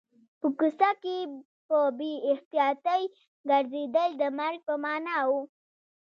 په کوڅه کې په بې احتیاطۍ ګرځېدل د مرګ په معنا و